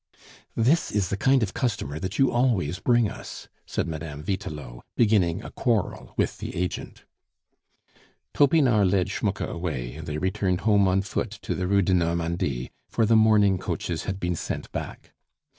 "This is the kind of customer that you always bring us," said Mme. Vitelot, beginning a quarrel with the agent. Topinard led Schmucke away, and they returned home on foot to the Rue de Normandie, for the mourning coaches had been sent back.